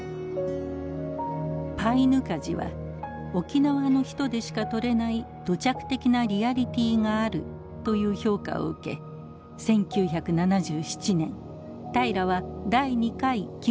「パイヌカジ」は沖縄の人でしか撮れない「土着的なリアリティーがある」という評価を受け１９７７年平良は第２回木村伊兵衛賞を受賞。